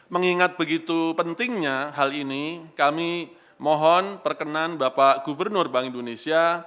mengingat begitu pentingnya hal ini kami mohon perkenan bapak gubernur bank indonesia